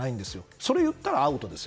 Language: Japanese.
それを言ったらアウトですよ。